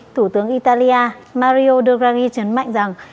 thủ tướng italia mario de grani chấn mạnh rằng